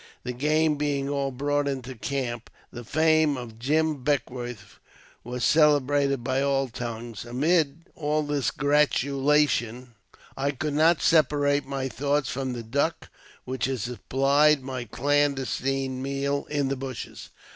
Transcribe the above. The game being all brought into camp, the fame of " Jim Beckwourth " was celebrated by all tongues. Amid all this gratulation, I could not separate my thoughts from the duck which had supplied my clandestine meal in the bushes.